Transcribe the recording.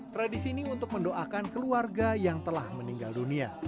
tradisi ini untuk mendoakan keluarga yang telah meninggal dunia